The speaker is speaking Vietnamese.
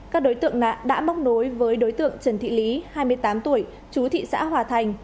các đối tượng đã móc nối với đối tượng trần thị lý hai mươi tám tuổi chú thị xã hòa thành